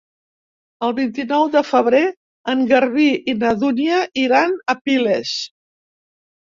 El vint-i-nou de febrer en Garbí i na Dúnia iran a Piles.